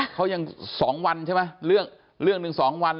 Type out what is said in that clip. เขายังสองวันใช่ไหมเรื่องเรื่องหนึ่งสองวัน